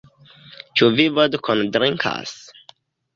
Ĉu vi vodkon drinkas?